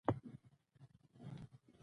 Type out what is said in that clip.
کښتۍ تر مرکزي کاناډا پورې راځي.